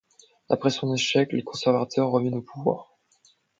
Après son échec, les conservateurs reviennent au pouvoir.